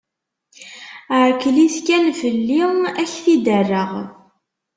Ɛkel-it kan fell-i, ad k-t-id-rreɣ.